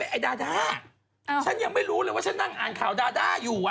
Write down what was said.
ไอ้ดาด้าฉันยังไม่รู้เลยว่าฉันนั่งอ่านข่าวดาด้าอยู่